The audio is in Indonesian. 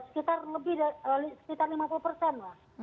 sekitar lima puluh persen